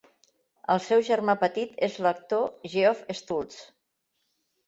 El seu germà petit és l'actor Geoff Stults.